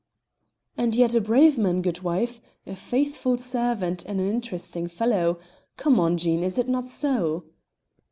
"And yet a brave man, goodwife, a faithful servant and an interesting fellow. Come now! Jean, is it not so?"